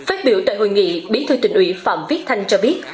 ủy tội hội nghị biến thư tỉnh ủy phạm viết thanh cho biết